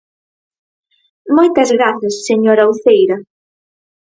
Moitas grazas, señora Uceira.